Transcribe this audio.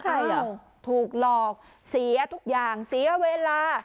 ใครอ่ะถูกหลอกเสียทุกอย่างเสียเวลา